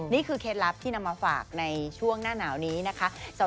เคล็ดลับที่นำมาฝากในช่วงหน้าหนาวนี้นะคะ